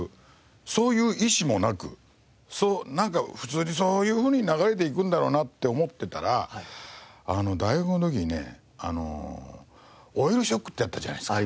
そういう意思もなくなんか普通にそういうふうに流れでいくんだろうなって思ってたら大学の時にねあのオイルショックってあったじゃないですか。